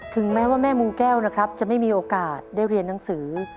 แม้ว่าแม่มูแก้วนะครับจะไม่มีโอกาสได้เรียนหนังสือ